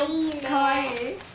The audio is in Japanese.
かわいい？